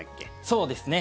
そうですね。